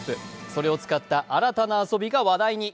それを使った新たな遊びが話題に。